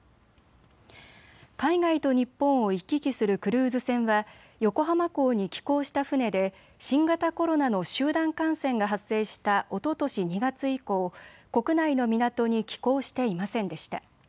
海外と日本を行き来するクルーズ船は横浜港に寄港した船で新型コロナの集団感染が発生したおととし２月以降、国内の港に寄港していませんでした。